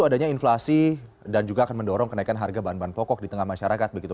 adanya inflasi dan juga akan mendorong kenaikan harga bahan bahan pokok di tengah masyarakat begitu